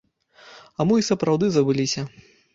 А мо і сапраўды забыліся.